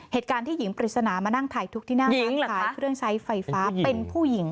เหตุการณ์ที่หญิงปริศนามานั่งถ่ายทุกข์ที่หน้าร้านขายเครื่องใช้ไฟฟ้าเป็นผู้หญิง